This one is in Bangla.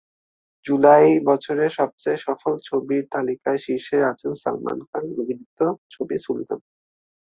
জুলাইবছরের সবচেয়ে সফল ছবির তালিকার শীর্ষে আছে সালমান খান অভিনীত ছবি সুলতান।